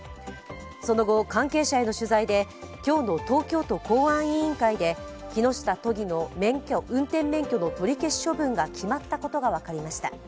その後、関係者への取材で今日の東京都公安委員会で、木下都議の運転免許の取り消し処分が決まったことが分かりました。